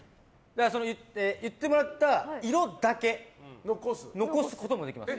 言ってもらった色だけ残すこともできます。